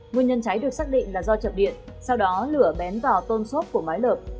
nguyên nhân cháy được xác định là do chập điện sau đó lửa bén vào tôn xốp của mái lợp